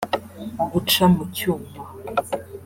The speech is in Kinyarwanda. guca mu cyuma